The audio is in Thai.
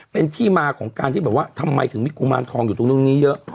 เป็นที่มาที่บอกว่าทำไมถึงมีกุมารทองอยู่ตรงนึงนี้เยอะ